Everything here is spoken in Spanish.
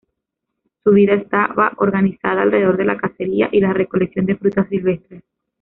Su vida estaba organizada alrededor de la cacería y la recolección de frutas silvestres.